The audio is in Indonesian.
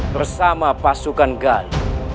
bersama pasukan gal